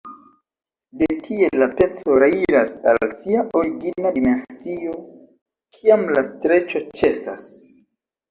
De tie la peco reiras al sia origina dimensio, kiam la streĉo ĉesas.